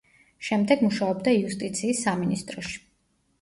შემდეგ მუშაობდა იუსტიციის სამინისტროში.